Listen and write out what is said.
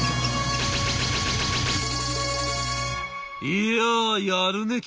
「いややるね君。